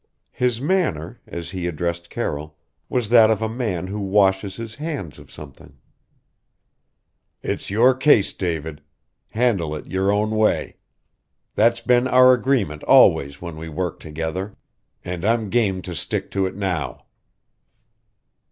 His manner, as he addressed Carroll, was that of a man who washes his hands of something "It's your case, David. Handle it your own way. That's been our agreement always when we worked together and I'm game to stick to it now."